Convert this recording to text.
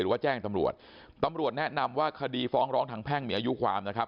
ว่าแจ้งตำรวจตำรวจแนะนำว่าคดีฟ้องร้องทางแพ่งมีอายุความนะครับ